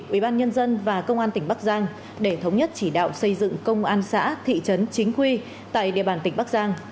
ubnd và công an tỉnh bắc giang để thống nhất chỉ đạo xây dựng công an xã thị trấn chính quy tại địa bàn tỉnh bắc giang